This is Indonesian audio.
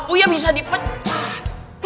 uya bisa di pecah